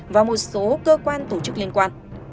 và một số cơ quan tổ chức liên quan